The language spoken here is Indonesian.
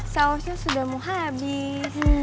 sausnya sudah mau habis